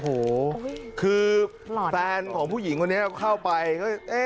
โอ้โหคือแฟนของผู้หญิงคนนี้เข้าไปก็เอ๊ะ